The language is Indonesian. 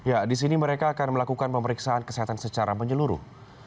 ya disini mereka akan melakukan pemeriksaan kesehatan secara penyeluruh